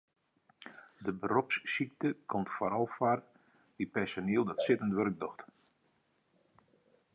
De beropssykte komt foaral foar by personiel dat sittend wurk docht.